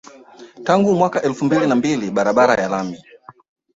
Tangu mwaka wa elfu mbili na mbili barabara ya lami